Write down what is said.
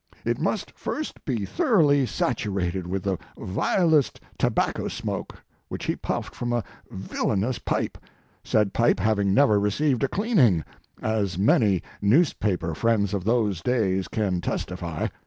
It must first be thoroughly saturated with the vilest tobacco smoke, which he puffed from a villainous pipe said pipe having never received a cleaning as many newspaper friends of those days can testify.